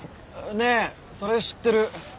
ねえそれ知ってる。